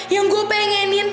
yang gue pengenin